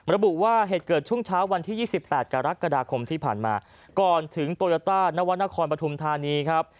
ระบุว่าเหตุเกิดช่วงเช้าวันที่๒๘กรกฎาคมที่ผ่านมาก่อนถึงโตโยต้านวรรณครปฐุมธานีครับ